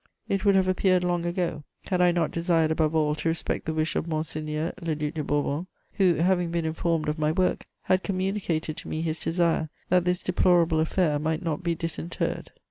"It would have appeared long ago, had I not desired above all to respect the wish of Monseigneur le Duc de Bourbon, who, having been informed of my work, had communicated to me his desire that this deplorable affair might not be disinterred.